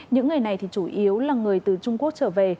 những người này thì chủ yếu là người từ trung quốc trở về